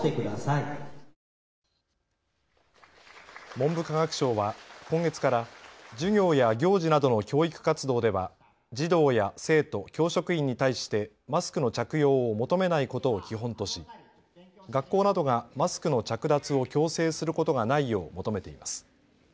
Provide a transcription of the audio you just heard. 文部科学省は今月から授業や行事などの教育活動では児童や生徒、教職員に対してマスクの着用を求めないことを基本とし学校などがマスクの着脱を強制することがないよう求めています。